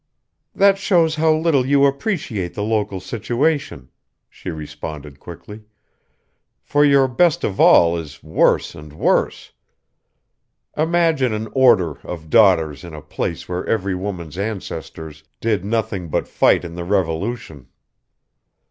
"That shows how little you appreciate the local situation," she responded quickly, "for your best of all is worse and worse. Imagine an order of Daughters in a place where every woman's ancestors did nothing but fight in the Revolution.